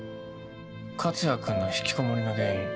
克哉君の引きこもりの原因